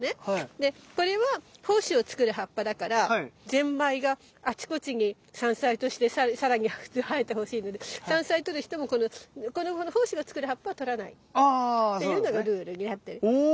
でこれは胞子を作る葉っぱだからゼンマイがあちこちに山菜として更に生えてほしいので山菜とる人もこの胞子を作る葉っぱはとらないっていうのがルールになってる。